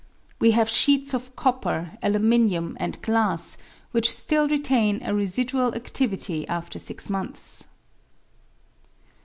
We have sheets of copper, aluminium, and glass which still retain a residual adivity after six months.